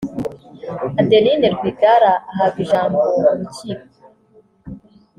Adeline Rwigara ahabwa ijambo mu rukiko